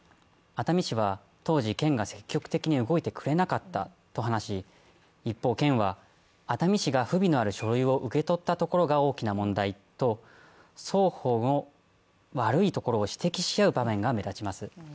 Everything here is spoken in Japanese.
熱海市は当時、県が積極的に動いてくれなかったと話し一方、県は熱海市が不備のある申請を受け取ったことが問題と双方の悪いところを指摘し合う場面が目立ちます。